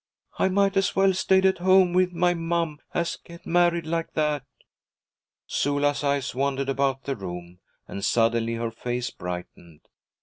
'I might as well stayed at home with my mom as get married like that.' Sula's eyes wandered about the room, and suddenly her face brightened.